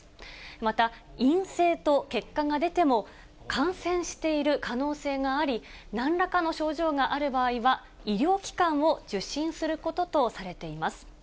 また陰性と結果が出ても、感染している可能性があり、なんらかの症状がある場合は、医療機関を受診することとされています。